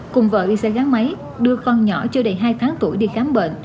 cùng vợ đi xe gắn máy đưa con nhỏ chưa đầy hai tháng tuổi đi khám bệnh